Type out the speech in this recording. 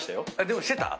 でもしてた？